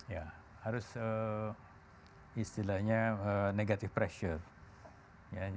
ya harus istilahnya negatif pressure